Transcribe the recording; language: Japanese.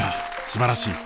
すばらしい！